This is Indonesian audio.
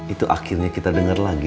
itu akhirnya kita dengar lagi